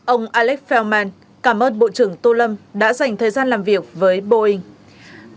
ông alex feldman cảm ơn bộ trưởng tô lâm đã dành thời gian làm việc với boeing